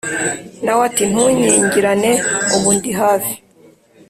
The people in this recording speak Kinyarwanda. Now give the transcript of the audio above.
nawe ati: ntunkingirane ubu ndi hafi